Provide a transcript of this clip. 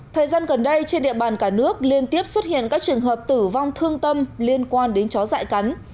thời gian gần đây trên địa bàn cả nước liên tiếp xuất hiện các trường hợp tử vong thương tâm liên quan đến chó dại cắn